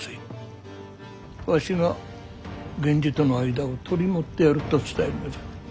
わしが源氏との間を取り持ってやると伝えるのじゃ。